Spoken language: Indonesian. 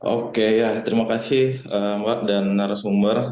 oke ya terima kasih mbak dan narasumber